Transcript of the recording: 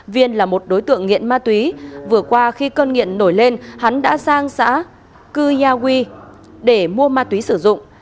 viên là một đối tượng nghiện ma túy vừa qua khi cơn nghiện nổi lên hắn đã sang xã cư ya huy để mua ma túy sử dụng